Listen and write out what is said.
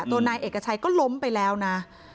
นายเอกชัยก็ล้มไปแล้วนะ